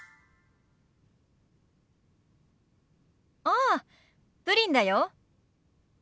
ああプリンだよ。